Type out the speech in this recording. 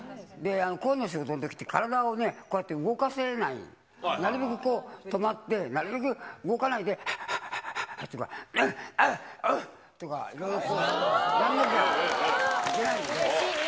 声の仕事のときって、体をこうやって動かせない、なるべく止まって、なるべく動かないではっ、はっはっ、とかうん、うんっとか、いろいろこうやんなきゃいけないんで。